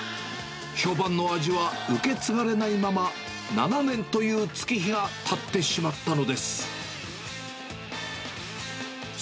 評判の味は受け継がれないまま、７年という月日がたってしまったのです。